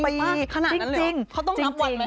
ขนาดนั้นเหรอเขาต้องนับวันไหมจริง